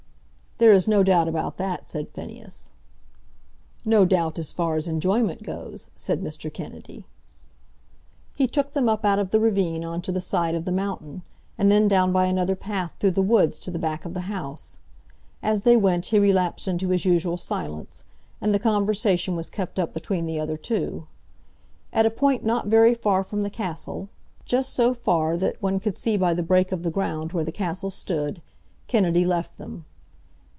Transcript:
"There is no doubt about that," said Phineas. "No doubt as far as enjoyment goes," said Mr. Kennedy. He took them up out of the ravine on to the side of the mountain, and then down by another path through the woods to the back of the house. As they went he relapsed into his usual silence, and the conversation was kept up between the other two. At a point not very far from the castle, just so far that one could see by the break of the ground where the castle stood, Kennedy left them.